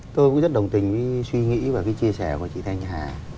tôi cũng rất đồng tình với suy nghĩ và cái chia sẻ của chị thanh hà